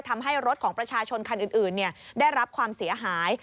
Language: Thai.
ทำให้รถของประชาชนคันอื่นได้รับความเสียหาย